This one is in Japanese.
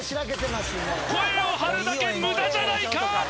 もう声を張るだけ無駄じゃないか！